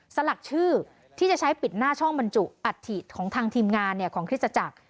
สลักชื่อที่จะใช้ปิดหน้าช่องบรรจุอัฐิของทางทีมงานของคริสตจักร